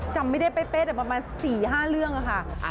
จำไม่ได้เป๊ะแต่ประมาณ๔๕เรื่องค่ะ